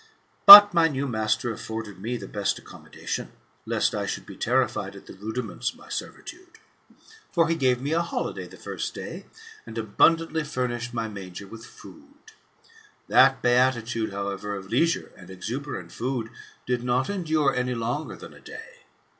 But my new master afforded roe the best accommodation, lest I should be terrified at the rudiments of my servitude. For he gave me a holiday the first day, and abundantly furnished my manger with food. That beatitude, however, of leisure and exuberant food, did not endure any longer than a day.